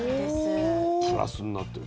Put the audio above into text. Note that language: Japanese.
プラスになってる。